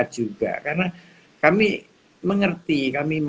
juga di perishline